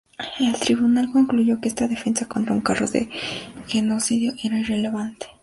El tribunal concluyó que esta defensa contra un cargo de genocidio era irrelevante.